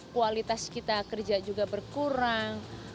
kualitas kita kerja juga berkurang